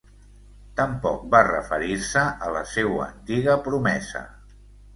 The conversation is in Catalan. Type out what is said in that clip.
Tampoc va referir-se a la seua antiga promesa.